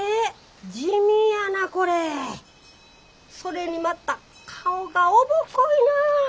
それにまた顔がおぼこいなあ。